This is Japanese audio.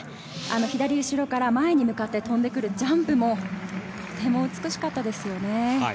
左後ろから前に向かって飛んでくるジャンプもとても美しかったですよね。